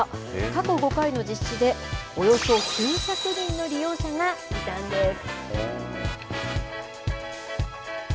過去５回の実施でおよそ９００人の利用者がいたんです。